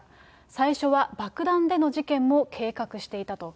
最初は爆弾での事件も計画していたと。